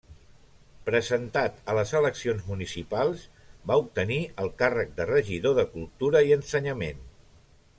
Presentat a les eleccions municipals, va obtenir el càrrec de regidor de cultura i ensenyament.